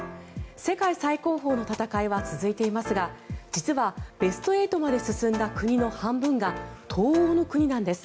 世界最高峰の戦いは続いていますが実はベスト８まで進んだ国の半分が東欧の国なんです。